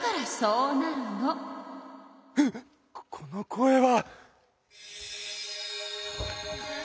うっこの声は。